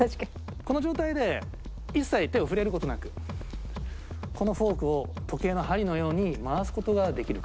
この状態で一切手を触れる事なくこのフォークを時計の針のように回す事ができるか？